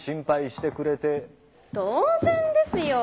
当然ですよォ。